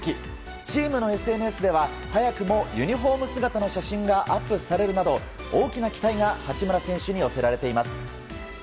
チームのＳＮＳでは早くもユニホーム姿の写真がアップされるなど、大きな期待が八村選手に寄せられています。